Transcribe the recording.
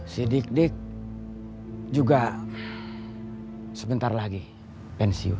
si dik dik juga sebentar lagi pensiun